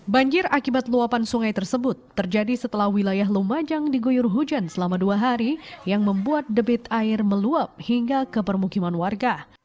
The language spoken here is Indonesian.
banjir akibat luapan sungai tersebut terjadi setelah wilayah lumajang diguyur hujan selama dua hari yang membuat debit air meluap hingga ke permukiman warga